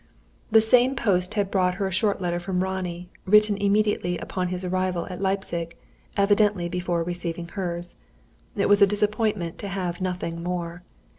The same post had brought her a short letter from Ronnie, written immediately on his arrival at Leipzig, evidently before receiving hers. It was a disappointment to have nothing more.